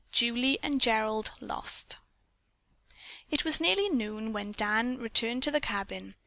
JULIE AND GERALD LOST It was nearly noon when Dan returned to the cabin.